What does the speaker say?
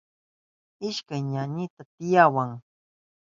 Ishkay ñañayni tiyawan.